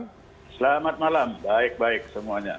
selamat malam baik baik semuanya